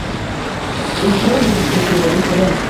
Үлтерә инде был теш мине, үлтерә!